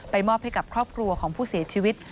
มอบให้กับครอบครัวของผู้เสียชีวิต